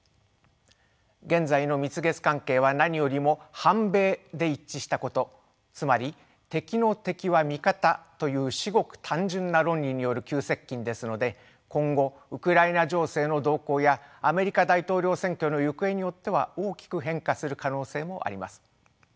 現在の蜜月関係は何よりも反米で一致したことつまり敵の敵は味方という至極単純な論理による急接近ですので今後ウクライナ情勢の動向やアメリカ大統領選挙の行方によっては大きく変化する可能性もあります。